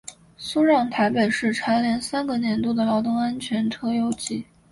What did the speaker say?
苏让台北市蝉联三个年度的劳动安全特优纪。